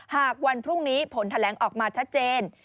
หากวันพรุ่งนี้ผลแถลงออกมาชัดเจน